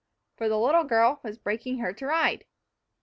For the little girl was breaking her to ride!